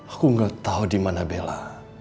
aku nggak tahu di mana bella